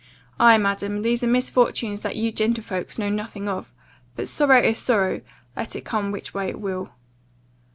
Aye, madam, these are misfortunes that you gentlefolks know nothing of, but sorrow is sorrow, let it come which way it will.